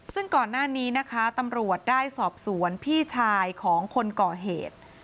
ซึ่งก่อนหน้านี้นะคะตำรวจได้สอบสวนพี่ชายของคนก่อเหตุ